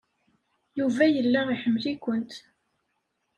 Yuba yella iḥemmel-ikent.